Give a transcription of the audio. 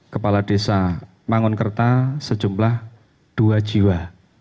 kepala desa mangunkerta sejumlah dua jiwa